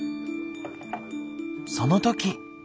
その時。